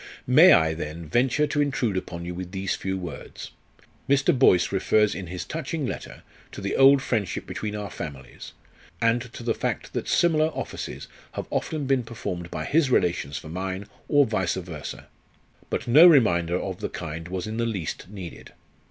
"May I, then, venture to intrude upon you with these few words? Mr. Boyce refers in his touching letter to the old friendship between our families, and to the fact that similar offices have often been performed by his relations for mine, or vice versa. But no reminder of the kind was in the least needed.